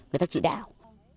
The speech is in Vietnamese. cái tác sĩ đạo